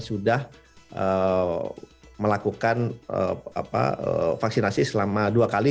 sudah melakukan vaksinasi selama dua kali